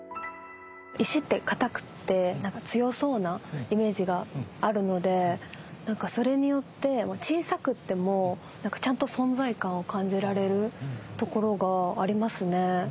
石って硬くて強そうなイメージがあるのでそれによって小さくてもちゃんと存在感を感じられるところがありますね。